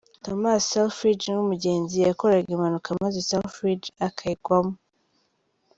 Thomas Selfridge nk’umugenzi yakoraga impanuka maze Selfridge akayigwamo.